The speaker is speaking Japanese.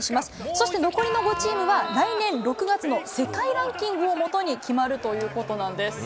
そして残りの５チームは、来年６月の世界ランキングをもとに決まるということなんです。